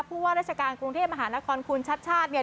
พูดว่ารัฐกาลกรุงเทพฯมหานครคุณชัชชาติ